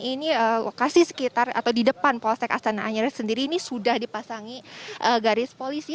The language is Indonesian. ini lokasi sekitar atau di depan polsek astana anyar sendiri ini sudah dipasangi garis polisi